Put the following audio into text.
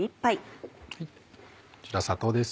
こちら砂糖です。